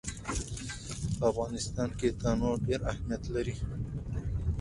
په افغانستان کې تنوع ډېر اهمیت لري.